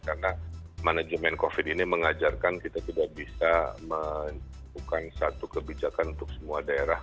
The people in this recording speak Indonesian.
karena manajemen covid sembilan belas ini mengajarkan kita tidak bisa membuat satu kebijakan untuk semua daerah